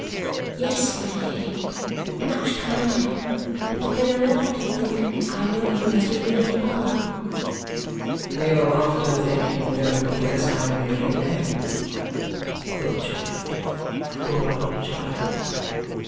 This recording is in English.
"Yes, my Lady. Much kinder. But then I often think I know you as you really are." "You often think you know me as I really am? Poor child, poor child!"